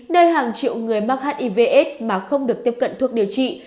nơi hàng triệu người mắc hiv aids mà không được tiếp cận thuốc điều trị